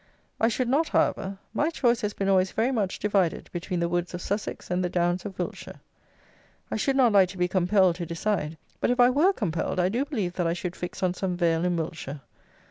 I should not, however: my choice has been always very much divided between the woods of Sussex and the downs of Wiltshire. I should not like to be compelled to decide; but if I were compelled, I do believe that I should fix on some vale in Wiltshire.